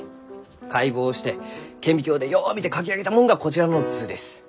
解剖して顕微鏡でよう見て描き上げたもんがこちらの図です。